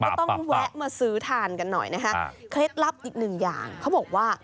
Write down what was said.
ต้องแวะมาซื้อทานกันหน่อยนะฮะเคล็ดลับอีกหนึ่งอย่างเขาบอกว่า